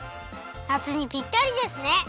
夏にぴったりですね！